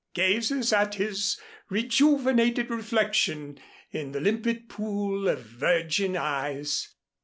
gazes at his rejuvenated reflection in the limpid pool of virgin eyes.